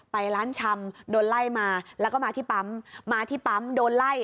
ไปร้านชำโดนไล่มาแล้วก็มาที่ปั๊มมาที่ปั๊มโดนไล่